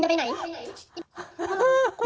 อะไรมึงจะไปไหน